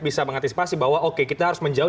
bisa mengantisipasi bahwa oke kita harus menjawab